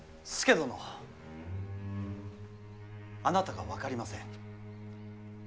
あなたが分かりません。